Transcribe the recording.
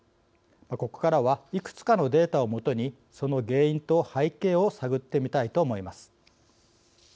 ここからはいくつかのデータを基にその原因と背景を探ってみたいと思います。